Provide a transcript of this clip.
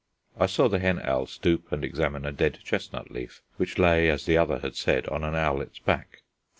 I saw the hen owl stoop and examine a dead chestnut leaf which lay, as the other had said, on an owlet's back.